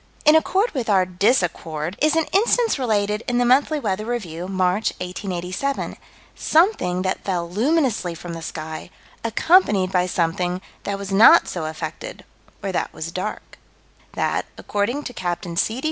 In accord with our disaccord is an instance related in the Monthly Weather Review, March, 1887 something that fell luminously from the sky, accompanied by something that was not so affected, or that was dark: That, according to Capt. C.